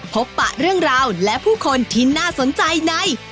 ปะเรื่องราวและผู้คนที่น่าสนใจใน